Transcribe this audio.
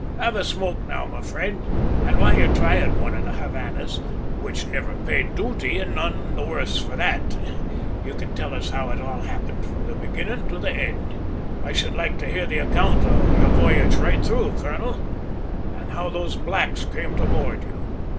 Have a smoke now, my friend; and while you're trying one of the Havanah's, which never paid duty and are none the worse for that, you can tell us how it all happened from the beginning to the end. I should like to hear the account of your voyage right through, colonel, and how those blacks came to board you."